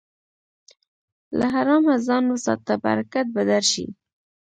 له حرامه ځان وساته، برکت به درشي.